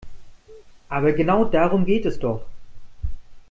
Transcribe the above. Aber genau darum geht es doch.